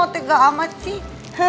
tiga amat sih